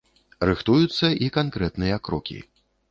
Рыхтуюцца і канкрэтныя крокі.